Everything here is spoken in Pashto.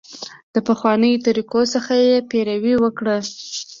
پخوانیو طریقو څخه یې پیروي وکړه.